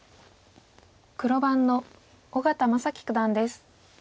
黒番の小県真樹九段です。